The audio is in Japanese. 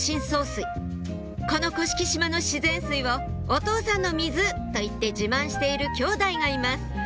この甑島の自然水をお父さんの水！と言って自慢しているきょうだいがいます